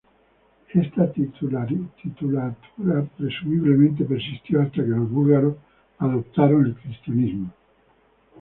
Esta titulatura presumiblemente persistió hasta que los búlgaros adoptaron el cristianismo.